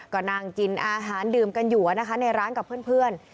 ก็นั่งกินอาหารดื่มกันอยู่ในร้านกับเพื่อน